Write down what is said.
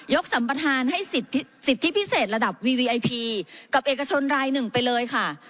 สัมประธานให้สิทธิพิเศษระดับวีวีไอพีกับเอกชนรายหนึ่งไปเลยค่ะ